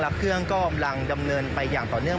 เครื่องก็กำลังดำเนินไปอย่างต่อเนื่อง